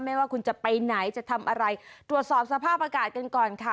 ว่าคุณจะไปไหนจะทำอะไรตรวจสอบสภาพอากาศกันก่อนค่ะ